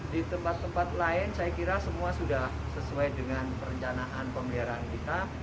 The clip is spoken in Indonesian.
di tempat tempat lain saya kira semua sudah sesuai dengan perencanaan pemeliharaan kita